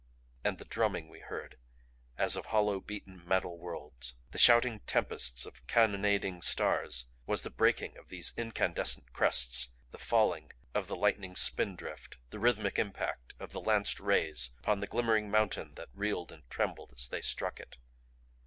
And the drumming we heard as of hollow beaten metal worlds, the shouting tempests of cannonading stars, was the breaking of these incandescent crests, the falling of the lightning spindrift, the rhythmic impact of the lanced rays upon the glimmering mountain that reeled and trembled as they struck it.